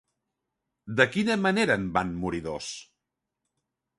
De quina manera en van morir dos?